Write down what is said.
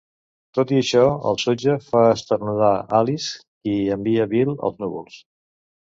Tot i això, el sutge fa esternudar Alice, qui envia Bill als núvols.